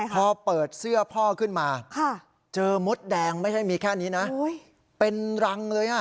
พอเปิดเสื้อพ่อขึ้นมาเจอมดแดงไม่ใช่มีแค่นี้นะเป็นรังเลย